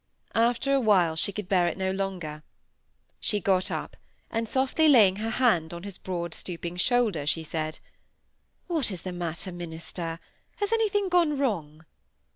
After a while she could bear it no longer. She got up, and, softly laying her hand on his broad stooping shoulder, she said,— "What is the matter, minister? Has anything gone wrong?"